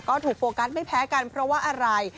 ก็ถูกโฟกัสไม่แพ้กันเพราะว่าอะไร